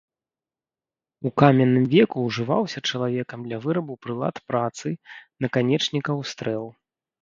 У каменным веку ўжываўся чалавекам для вырабу прылад працы, наканечнікаў стрэл.